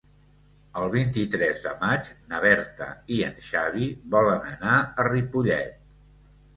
El vint-i-tres de maig na Berta i en Xavi volen anar a Ripollet.